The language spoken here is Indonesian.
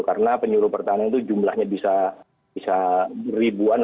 karena penyuluh pertanian itu jumlahnya bisa ribuan